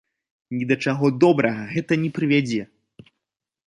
Ні да чаго добрага гэта не прывядзе.